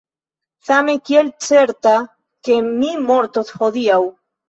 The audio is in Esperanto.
Same, kiel certa, ke mi mortos hodiaŭ.